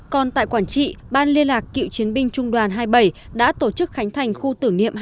còn tại quản trị ban liên lạc cựu chiến binh trung đoàn hai mươi bảy đã tổ chức khánh thành khu tưởng niệm